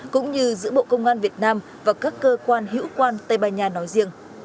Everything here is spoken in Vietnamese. cũng như giữa bộ công an việt nam và các cơ quan hữu quan tây ban nha nói riêng